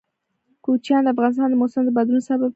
کوچیان د افغانستان د موسم د بدلون سبب کېږي.